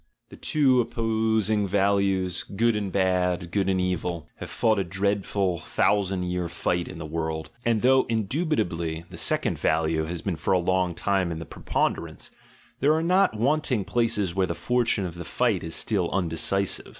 The two opposing values, "good and bad," "good and evil," have fought a dread ful, thousand year fight in the world, and though indubit ably the second value has been for a long time in the preponderance, there are not wanting places where the fortune of the fight is still undecisive.